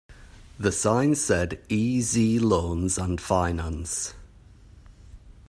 The sign said E Z Loans and Finance.